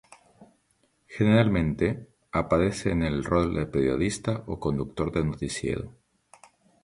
Generalmente, aparece en el rol de periodista o conductor de noticiero.